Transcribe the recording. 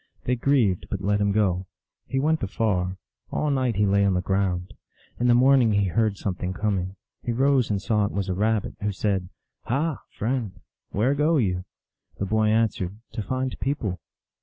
They grieved, but let him go. He went afar. All night he lay on the ground. In the morning he heard something coming. He rose and saw it was a Rabbit, who said, " Ha, friend, where go you ?" The boy answered, " To find people."